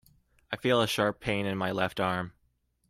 I feel a sharp pain in my left arm.